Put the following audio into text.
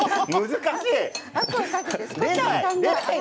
難しい。